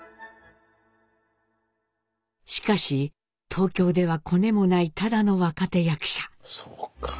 しかし東京ではコネもないただの若手役者。